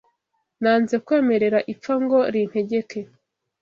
nanze kwemerera ipfa ngo rintegeke